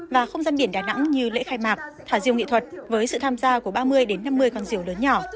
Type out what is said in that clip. và không gian biển đà nẵng như lễ khai mạc thả diều nghị thuật với sự tham gia của ba mươi năm mươi con diều lớn nhỏ